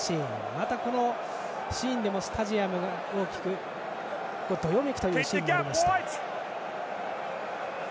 また、このシーンでもスタジアムが大きくどよめくというシーンもありました。